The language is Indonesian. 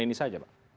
ini saja pak